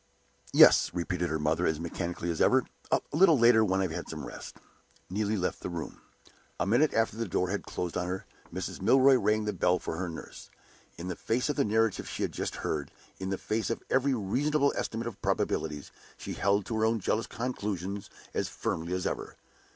"Yes," repeated her mother, as mechanically as ever; "a little later when I have had some rest." Neelie left the room. The minute after the door had closed on her, Mrs. Milroy rang the bell for her nurse. In the face of the narrative she had just heard, in the face of every reasonable estimate of probabilities, she held to her own jealous conclusions as firmly as ever.